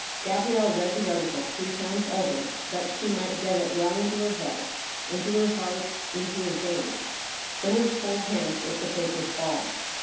Gabrielle read the article three times over, that she might get it well into her head, into her heart, into her veins. Then her cold hands let the paper 'fall.